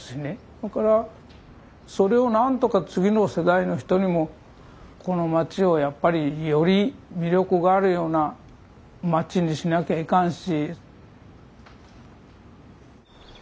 それからそれを何とか次の世代の人にもこの町をやっぱりより魅力があるような町にしなきゃいかんし。